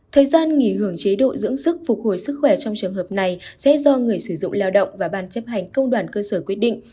thời gian nghỉ hưởng chế độ dưỡng sức phục hồi sức khỏe trong trường hợp này sẽ do người sử dụng lao động và ban chấp hành công đoàn cơ sở quyết định